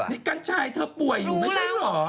นี่กัญชัยเธอป่วยอยู่ไม่ใช่เหรอ